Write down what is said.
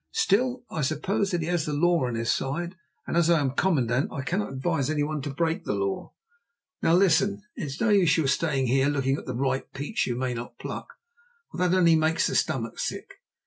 Still, I suppose that he has the law on his side, and, as I am commandant, I cannot advise anyone to break the law. Now listen. It is no use your staying here looking at the ripe peach you may not pluck, for that only makes the stomach sick.